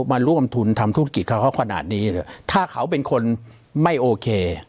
มาร่วมทุนทำธุรกิจกับเขาขนาดนี้ถ้าเขาเป็นคนไม่โอเค